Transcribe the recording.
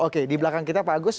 oke di belakang kita pak agus